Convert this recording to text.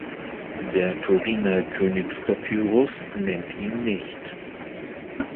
Der Turiner Königspapyrus nennt ihn nicht.